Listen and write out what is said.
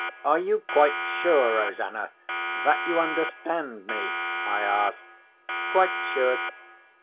"Are you quite sure, Rosanna, that you understand me?" I asked. "Quite sure."